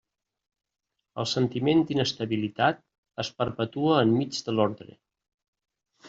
El sentiment d'inestabilitat es perpetua enmig de l'ordre.